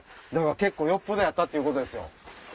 結構よっぽどやったってことですよ。